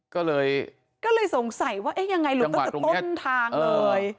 ก็เลยสงสัยว่ายังไงหลุดต้นทางเลย